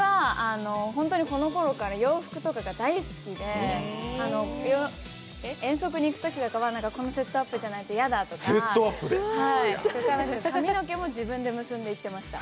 このころから洋服とかが大好きで遠足に行くときとかは、このセットアップじゃないと嫌だとか髪の毛も自分で結んで行ってました。